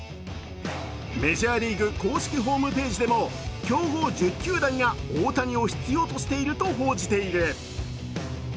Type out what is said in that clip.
メジャーリーグ公式ホームページでも強豪１０球団が大谷を必要していると報じている。